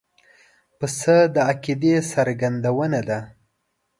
پسه د عقیدې څرګندونه ده.